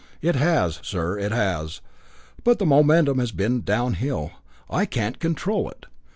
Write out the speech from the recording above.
It has, sir, it has, but the momentum has been downhill. I can't control it.